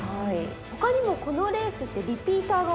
他にもこのレースってリピーターが多いですよね。